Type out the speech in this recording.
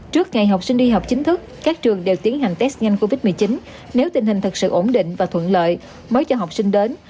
trước ngày học sinh đi học chính thức các trường đều tiến hành test nhanh covid một mươi chín nếu tình hình thật sự ổn định và thuận lợi mới cho học sinh đến